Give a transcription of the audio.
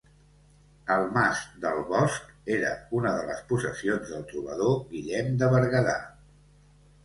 El mas del bosc era una de les possessions del trobador Guillem de Berguedà.